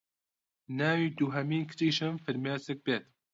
ناوی دوهەمین کچیشم فرمێسک بێت